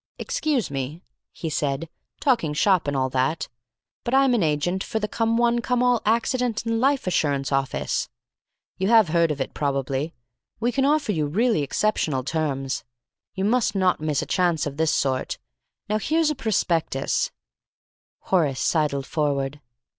"Excuse me," he said; "talking shop and all that. But I'm an agent for the Come One Come All Accident and Life Assurance Office. You have heard of it probably? We can offer you really exceptional terms. You must not miss a chance of this sort. Now here's a prospectus " Horace sidled forward.